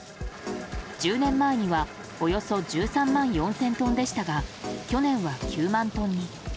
１０年前には、およそ１３万４０００トンでしたが去年は９万トンに。